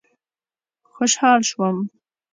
خوشحال شوم.